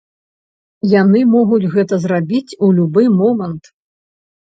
Яны могуць гэта зрабіць у любы момант.